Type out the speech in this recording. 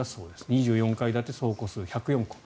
２４階建て、総戸数１０４戸。